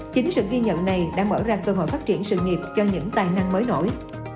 chính sự ghi nhận này đã mở ra cơ hội phát triển sự nghiệp cho những tài năng mới nổi